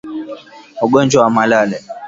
Ugonjwa wa malale